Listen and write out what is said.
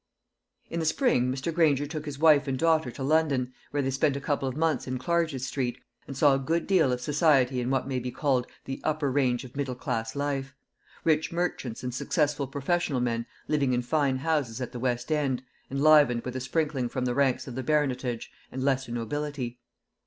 In the spring Mr. Granger took his wife and daughter to London, where they spent a couple of months in Clarges street, and saw a good deal of society in what may be called the upper range of middle class life rich merchants and successful professional men living in fine houses at the West end, enlivened with a sprinkling from the ranks of the baronetage and lesser nobility.